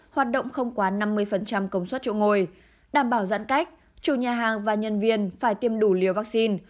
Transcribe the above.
hoạt động không quá năm mươi công suất chỗ ngồi đảm bảo giãn cách chủ nhà hàng và nhân viên phải tiêm đủ liều vaccine